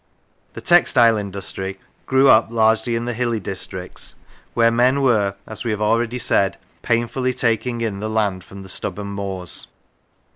The textile industry grew up largely in the hilly districts, where men were, as we have already said, painfully " taking in " the land from the stubborn moors.